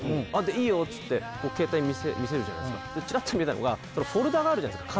「いいよ」っつって携帯見せるじゃないですかチラッと見えたのがフォルダがあるじゃないですか